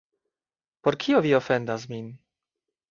Por kio vi ofendas min?